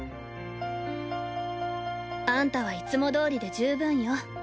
あんたはいつもどおりで十分よ。